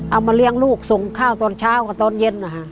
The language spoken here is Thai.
เอามาเลี้ยงลูกส่งข้าวตอนเช้ากับตอนเย็นนะคะ